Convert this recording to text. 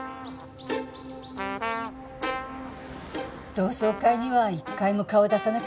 同窓会には１回も顔出さなかったね。